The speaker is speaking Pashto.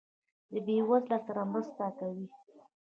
د بې وزلو سره مرسته کوئ؟